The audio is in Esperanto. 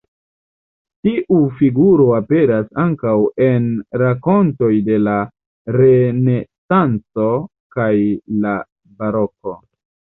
Tiu figuro aperas ankaŭ en rakontoj de la Renesanco kaj la Baroko.